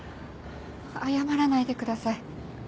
謝らないでください。